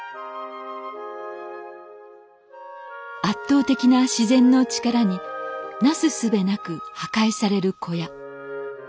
圧倒的な自然の力になすすべなく破壊される小屋。